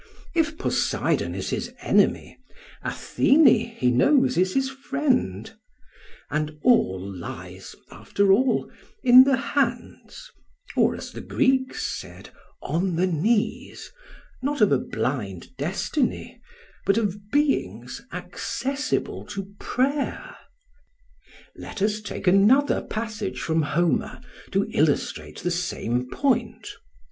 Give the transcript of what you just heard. If Poseidon is his enemy, Athene, he knows, is his friend; and all lies, after all, in the hands, or, as the Greeks said, "on the knees," not of a blind destiny, but of beings accessible to prayer. Let us take another passage from Homer to illustrate the same point.